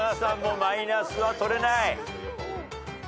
マイナスは取れない。